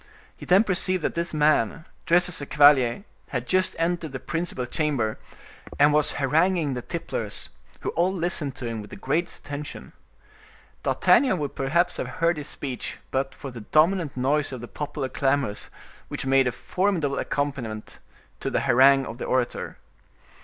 He then perceived that this man, dressed as a cavalier, had just entered the principal chamber, and was haranguing the tipplers, who all listened to him with the greatest attention. D'Artagnan would perhaps have heard his speech but for the dominant noise of the popular clamors, which made a formidable accompaniment to the harangue of the orator.